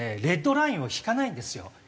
レッドラインを引かないんですよ。